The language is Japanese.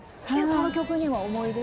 この曲には思い出？